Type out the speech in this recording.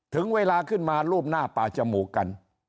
ถึงเวลาขึ้นมารูปหน้าป่าจมูกกัน